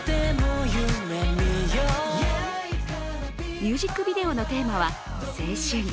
ミュージックビデオのテーマは青春。